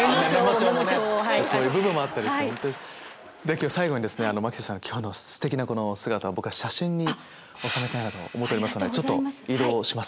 今日最後に牧瀬さん今日のすてきなこのお姿を僕が写真に収めたいなと思っておりますので移動をします。